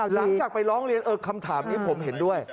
หลังจากไปร้องเรียนคำถามนี้ผมเห็นด้วย